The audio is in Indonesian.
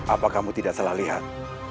apa kamu tidak salah lihat